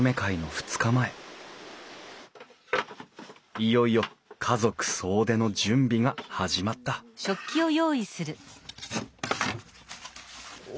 いよいよ家族総出の準備が始まったお。